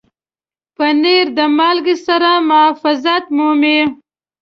پنېر د مالګې سره محافظت مومي.